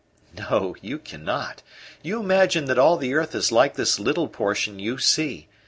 "No, you cannot. You imagine that all the earth is like this little portion you see.